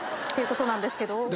っていうことなんですけど。